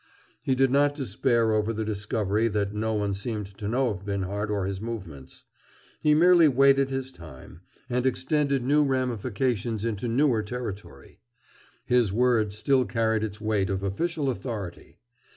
He did not despair over the discovery that no one seemed to know of Binhart or his movements. He merely waited his time, and extended new ramifications into newer territory. His word still carried its weight of official authority.